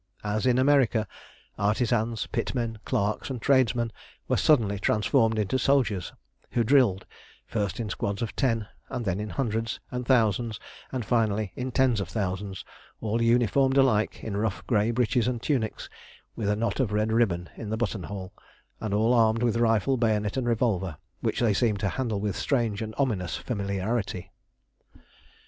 As in America, artisans, pitmen, clerks, and tradesmen were suddenly transformed into soldiers, who drilled, first in squads of ten, and then in hundreds and thousands, and finally in tens of thousands, all uniformed alike in rough grey breeches and tunics, with a knot of red ribbon in the button hole, and all armed with rifle, bayonet, and revolver, which they seemed to handle with a strange and ominous familiarity.